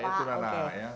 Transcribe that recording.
iya itu nanah ya